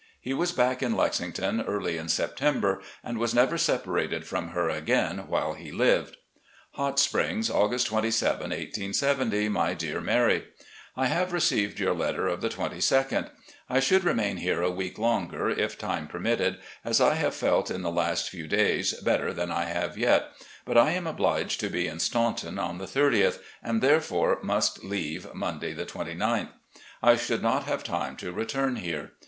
He was back in Lexington early in September, and was never separated from her again while he lived: "Hot Springs, August 27, 1870. "My Dear Mary: I have received your letter of the 2 2d. I should remain here a week longer if time per mitted, as I have felt in the last few days better than I have yet, but I am obliged to be in Statmton on the 30th, and therefore must leave Monday, 29th. I should not have time to return here.